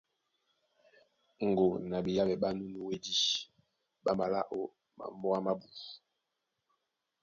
Ŋgo na ɓeyáɓɛ ɓá nû nú wédí ɓá malá ó mambóa mábū.